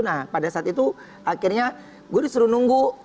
nah pada saat itu akhirnya gue disuruh nunggu